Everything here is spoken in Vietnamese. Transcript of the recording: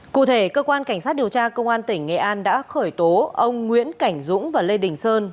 cụ thể cơ quan cảnh sát điều tra công an tỉnh nghệ an đã khởi tố ông nguyễn cảnh dũng và lê đình sơn